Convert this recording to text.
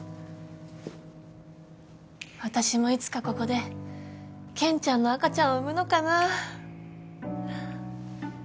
私もいつかここで健ちゃんの赤ちゃんを産むのかな？